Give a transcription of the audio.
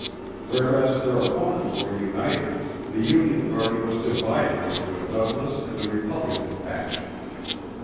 Whereas their opponents were united, the Union party was divided into a Douglas and a Republican faction.